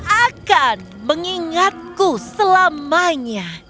kau akan mengingatku selamanya